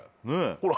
ほら。